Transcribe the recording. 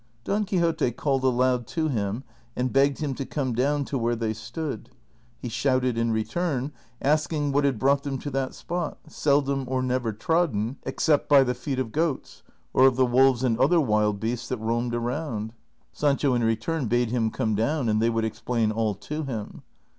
Don Quixote called aloud to him and begged him to come down to where they stood. He shouted in return, asking what had brought them to that spot, seldom or never trodden except by the feet of goats, or of the wolves aiul other Avild beasts that roamed around. Sancho in return bade him come down, and they would explain all to him.